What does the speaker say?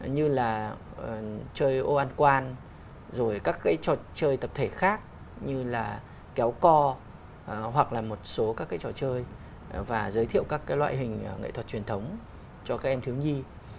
như là chơi ô an quan rồi các cái trò chơi tập thể khác như là kéo co hoặc là một số các cái trò chơi và giới thiệu các loại hình nghệ thuật truyền thống cho các em thiếu nhi